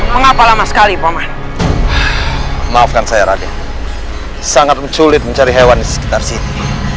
mengapa lama sekali peman maafkan saya radit sangat menculik mencari hewan di sekitar sini